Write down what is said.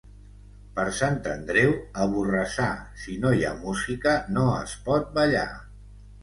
Per Sant Andreu, a Borrassà, si no hi ha música, no es pot ballar.